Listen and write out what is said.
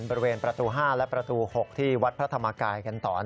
บริเวณประตู๕และประตู๖ที่วัดพระธรรมกายกันต่อ